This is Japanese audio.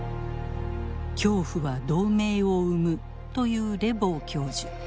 「恐怖は同盟を生む」というレボー教授。